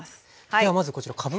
ではまずこちらかぶ。